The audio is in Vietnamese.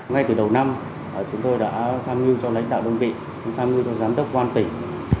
ngay từ đầu năm chúng tôi đã tham mưu cho lãnh đạo đơn vị tham mưu cho giám đốc quan tỉnh